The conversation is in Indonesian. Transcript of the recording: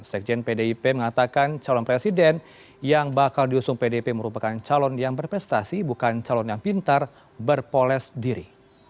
sekjen pdip mengatakan calon presiden yang bakal diusung pdip merupakan calon yang berprestasi bukan calon yang pintar berpoles diri